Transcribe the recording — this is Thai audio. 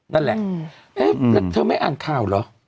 นั่นแหละเอ๊ะแล้วเธอไม่อ่านข่าวเหรอ